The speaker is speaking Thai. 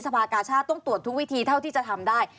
ภากาชาติต้องตรวจทุกวิธีเท่าที่จะทำได้